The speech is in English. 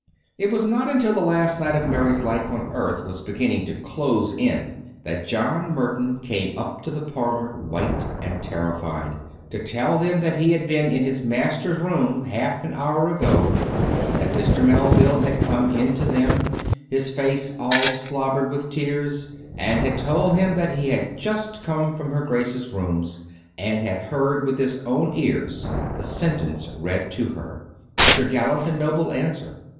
... It was not until the last night of Mary's life on earth was beginning to close in that John Merton came up to the parlour, white and terrified, to tell him that he had been in his master's room half an hour ago, and that Mr. Melville had come in to them, his face all slobbered with tears, and had told him that he had but just come from her Grace's rooms, and had heard with his own ears the sentence read to her, and her gal lant and noble answer.